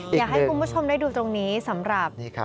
อยากให้คุณผู้ชมได้ดูตรงนี้สำหรับ